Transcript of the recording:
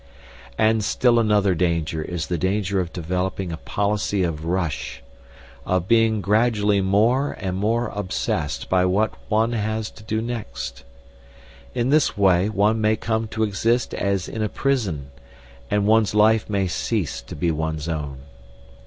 And still another danger is the danger of developing a policy of rush, of being gradually more and more obsessed by what one has to do next. In this way one may come to exist as in a prison, and one's life may cease to be one's own.